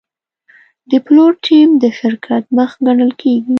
د پلور ټیم د شرکت مخ ګڼل کېږي.